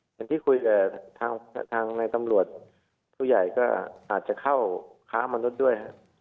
อย่างที่คุยกับทางในตำรวจผู้ใหญ่ก็อาจจะเข้าค้ามนุษย์ด้วย